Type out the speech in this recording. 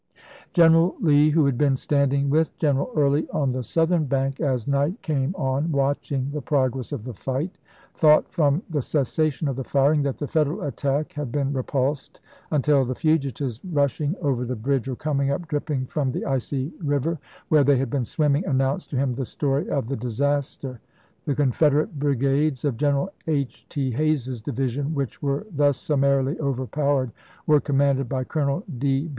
General Lee, who had been standing with Gen eral Early on the southern bank as night came on, watching the progress of the fight, thought from the cessation of the firing that the Federal attack had been repulsed until the fugitives, rushing over the bridge or coming up dripping from the icy river, where they had been swimming, announced to him the story of the disaster. The Confederate brigades of General H. T. Hays's division which were thus summarily overpowered were com manded by Colonel D. B.